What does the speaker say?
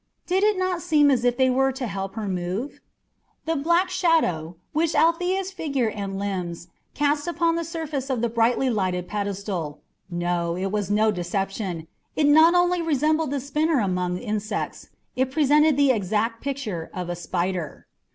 Did it not seem as if they were to help her move? The black shadow which Althea's figure and limbs cast upon the surface of the brightly lighted pedestal no, it was no deception, it not only resembled the spinner among insects, it presented the exact picture of a spider.